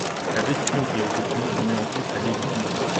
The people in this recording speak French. La décision qui a été prise remet en cause sa légitimité.